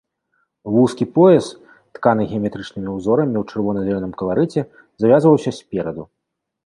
Вузкі пояс, тканы геаметрычнымі ўзорамі ў чырвона-зялёным каларыце, завязваўся спераду.